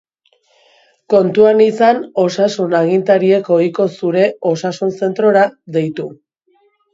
Kontuan izan osasun agintariek ohiko zure osasun-zentrora deitu.